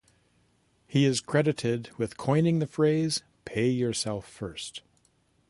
He is credited with coining the phrase, "Pay yourself first".